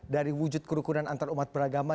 dari wujud kerukunan antarumat beragama